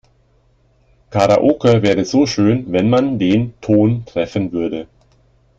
Karaoke wäre so schön, wenn man den Ton treffen würde.